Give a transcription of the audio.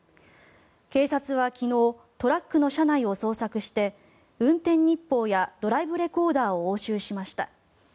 警察は昨日トラックの車内を捜索して運転日報やドライブレコーダーを押収しました。